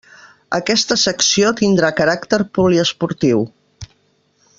Aquesta secció tindrà caràcter poliesportiu.